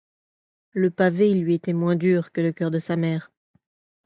Le pavé lui était moins dur que le coeur de sa mère.